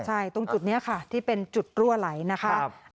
ใช่ตรงจุดนี้ค่ะที่เป็นจุดรั่วไหลนะคะ